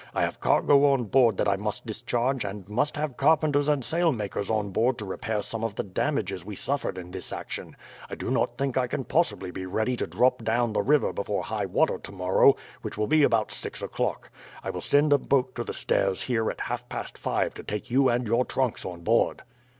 'I have cargo on board that I must discharge, and must have carpenters and sailmakers on board to repair some of the damages we suffered in this action. I do not think I can possibly be ready to drop down the river before high water tomorrow, which will be about six o'clock. I will send a boat to the stairs here at half past five to take you and your trunks on board.'